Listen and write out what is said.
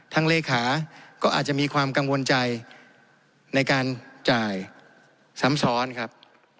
เลขาก็อาจจะมีความกังวลใจในการจ่ายซ้ำซ้อนครับ